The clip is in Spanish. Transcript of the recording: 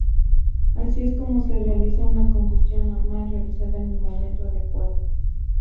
Así es como se realiza una combustión normal, realizada en el momento adecuado.